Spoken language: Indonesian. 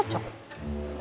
pokoknya jangan deh